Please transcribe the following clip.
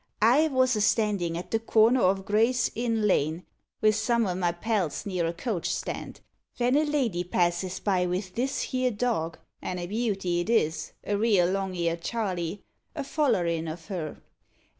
"I wos a standin' at the corner o' Gray's Inn Lane vith some o' my pals near a coach stand, ven a lady passes by vith this here dog an' a beauty it is, a real long eared Charley a follerin' of her.